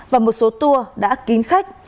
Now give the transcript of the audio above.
và một số tour đã kín khách